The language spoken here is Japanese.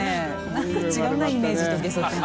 何か違うなイメージとげそ天。